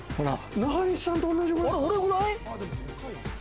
中西さんと同じくらい。